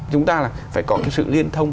chúng ta là phải có sự liên thông